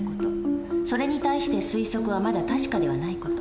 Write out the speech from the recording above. それに対して推測はまだ確かではない事。